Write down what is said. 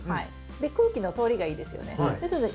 で空気の通りがいいですよね。